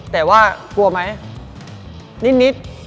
แต่ว่ากลัวไหมนิด